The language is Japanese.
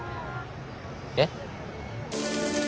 えっ？